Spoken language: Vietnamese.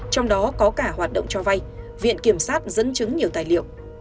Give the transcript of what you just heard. trong đó có cả hoạt động cho vay viện kiểm sát dẫn chứng nhiều tài liệu